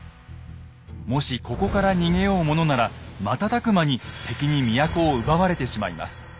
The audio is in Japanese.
もしここから逃げようものなら瞬く間に敵に都を奪われてしまいます。